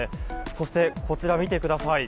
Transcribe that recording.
そして、こちらを見てください。